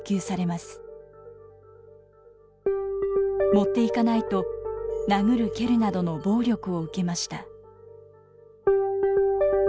持っていかないと殴る蹴るなどの暴力を受けました。